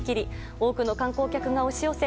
多くの観光客が押し寄せ